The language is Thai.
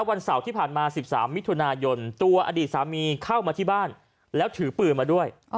วันเสาร์ที่ผ่านมา๑๓มิถุนายนตัวอดีตสามีเข้ามาที่บ้านแล้วถือปืนมาด้วย